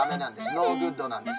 ノーグッドなんです。